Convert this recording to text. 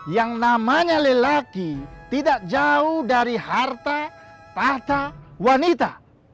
yang namanya lelaki tidak jauh dari harta tahta wanita